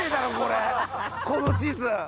この地図！